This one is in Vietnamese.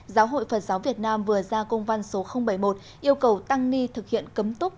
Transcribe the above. giáo hội phật giáo việt nam vừa ra công văn số bảy mươi một yêu cầu tăng ni thực hiện cấm túc